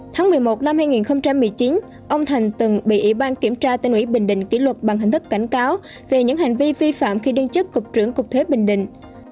tháng một mươi một năm hai nghìn một mươi chín ông thành từng bị ủy ban kiểm tra tỉnh ủy bình định kỷ luật bằng hình thức cảnh cáo về những hành vi vi phạm khi đương chức cục trưởng cục thuế bình định